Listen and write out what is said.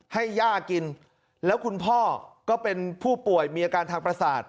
ให้ย่ากินแล้วคุณพ่อก็เป็นผู้ป่วยมีอาการทางประสาท